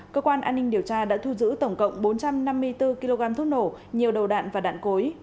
cơ quan an ninh điều tra đã thu giữ tổng cộng bốn trăm năm mươi bốn kg thuốc nổ nhiều đầu đạn và đạn cối